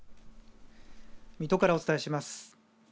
水戸からお伝えします。